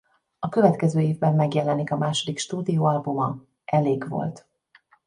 A következő évben megjelenik a második stúdióalbuma Elég volt!